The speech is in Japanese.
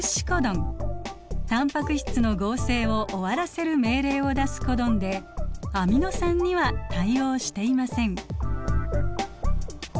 タンパク質の合成を終わらせる命令を出すコドンでアミノ酸には対応していません。